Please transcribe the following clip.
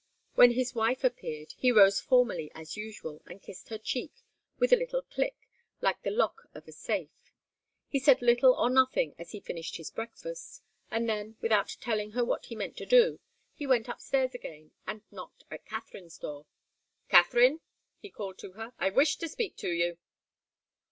When his wife appeared, he rose formally, as usual, and kissed her cheek with a little click, like the lock of a safe. He said little or nothing as he finished his breakfast, and then, without telling her what he meant to do, he went upstairs again and knocked at Katharine's door. "Katharine!" he called to her. "I wish to speak to you."